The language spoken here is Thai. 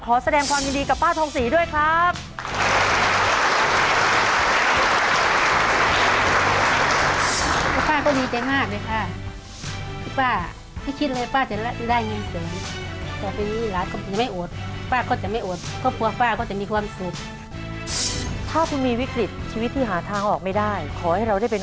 ขอแสดงความยินดีกับป้าทองศรีด้วยครับ